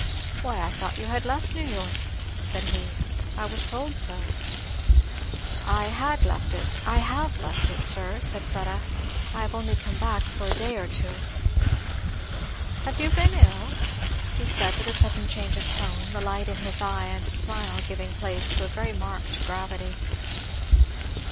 "Why I thought you had left New York," said he; "I was told so." "I had left it I have left it, sir," said Fleda; "I have only come back for a day or two " "Have you been ill?" he said with a sudden change of tone, the light in his eye and smile giving place to a very marked gravity.